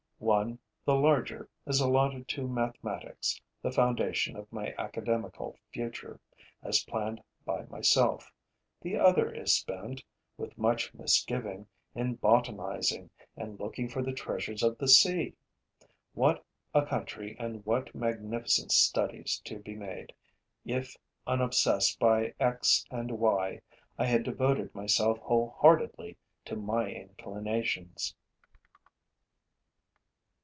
One, the larger, is allotted to mathematics, the foundation of my academical future, as planned by myself; the other is spent, with much misgiving, in botanizing and looking for the treasures of the sea. What a country and what magnificent studies to be made, if, unobsessed by x and y, I had devoted myself wholeheartedly to my inclinations!